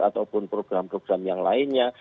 ataupun program program yang lainnya